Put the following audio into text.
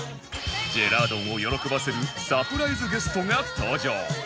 ジェラードンを喜ばせるサプライズゲストが登場